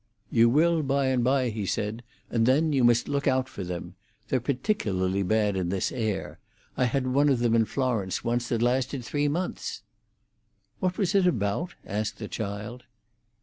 "You will by and by," he said, "and then you must look out for them. They're particularly bad in this air. I had one of them in Florence once that lasted three months." "What was it about?" asked the child.